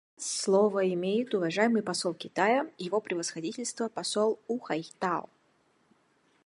А сейчас слово имеет уважаемый посол Китая — Его Превосходительство посол У Хайтао.